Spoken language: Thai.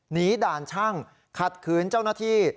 ด่านช่างขัดขืนเจ้าหน้าที่